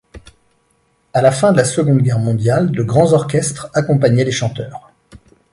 À la fin de la Seconde Guerre mondiale de grands orchestres accompagnaient les chanteurs.